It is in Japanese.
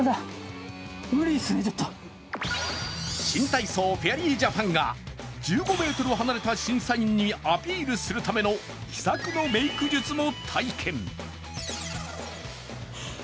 新体操フェアリージャパンが１５ｍ離れた審査員にアピールするための秘策のメイク術も体験。